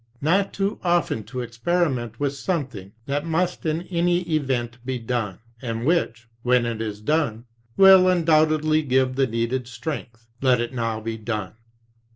"Not too often to experiment with something that must in any event be done, and which, when it is done, will undoubtedly give the needed strength, let it now be done.